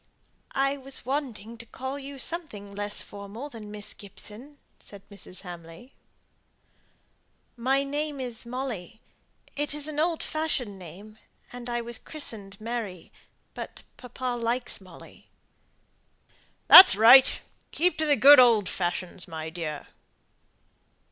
"I was wanting to call you something less formal than Miss Gibson," said Mrs. Hamley. "My name is Molly. It is an old fashioned name, and I was christened Mary. But papa likes Molly." "That's right. Keep to the good old fashions, my dear."